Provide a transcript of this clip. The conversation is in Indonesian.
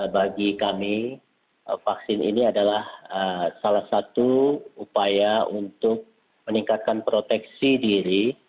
bagi kami vaksin ini adalah salah satu upaya untuk meningkatkan proteksi diri